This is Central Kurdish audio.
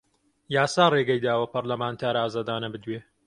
یاسا ڕێگەی داوە پەرلەمانتار ئازادانە بدوێ